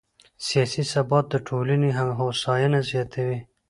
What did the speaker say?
سیاسي ثبات د ټولنې هوساینه زیاتوي